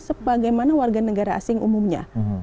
sebagaimana warga negara asing umumnya